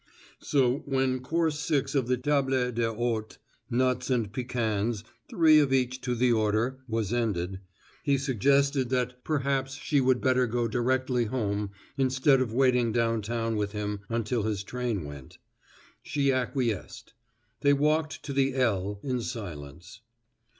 So when course VI of the table d'hote nuts and pecans, three of each to the order was ended, he suggested that perhaps she would better go directly home instead of waiting downtown with him until his train went. She acquiesced. They walked to the "L" in silence.